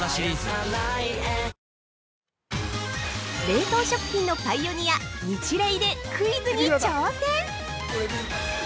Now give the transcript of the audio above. ◆冷凍食品のパイオニアニチレイでクイズに挑戦！